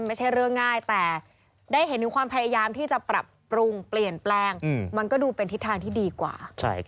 อย่างที่บอกว่าไม่ใช่เรื่องง่ายแต่